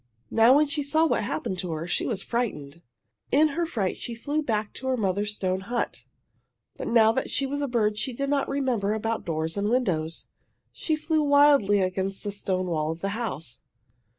Now when she saw what had happened to her she was frightened. In her fright she flew back to her mother's stone hut. But now that she was a bird she did not remember about the doors and windows. She flew wildly against the stone wall of the house.